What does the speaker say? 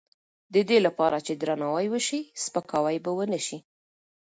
د دې لپاره چې درناوی وشي، سپکاوی به ونه شي.